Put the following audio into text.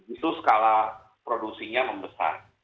itu skala produksinya membesar